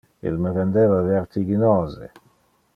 Il me rendeva vertiginose.